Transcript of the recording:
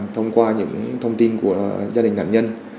thông qua những thông tin của gia đình nạn nhân